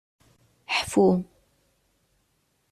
Ḥfu.